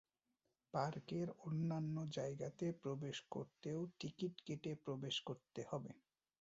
পার্কের অন্যান্য জায়গাতে প্রবেশ করতেও টিকেট কেটে প্রবেশ করতে হবে।